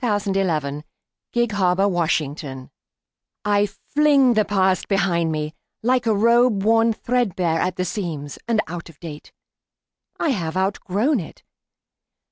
Ella Wheeler Wilcox The Past I FLING the past behind me, like a robe Worn threadbare at the seams, and out of date. I have outgrown it.